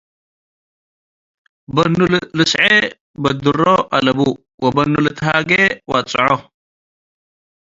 በኑ ልስዔ በድሮ አለቡ ወበኑ ልትሃጌ ወጽዖ።